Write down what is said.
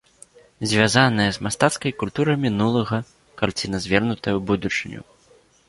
Звязаная з мастацкай культурай мінулага, карціна звернутая ў будучыню.